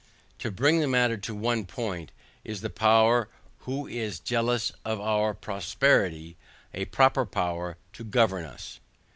To bring the matter to one point. Is the power who is jealous of our prosperity, a proper power to govern us?